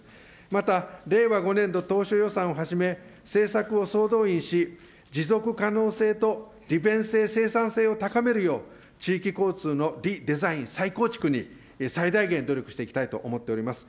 また、令和５年度当初予算をはじめ、政策を総動員し、持続可能性と利便性、生産性を高めるよう、地域交通のリデザイン、再構築に最大限努力していきたいと思っております。